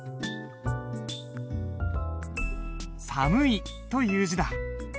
「寒い」という字だ。